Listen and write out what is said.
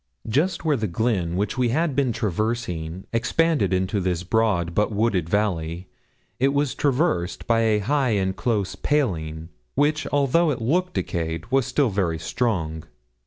Just where the glen which we had been traversing expanded into this broad, but wooded valley, it was traversed by a high and close paling, which, although it looked decayed, was still very strong.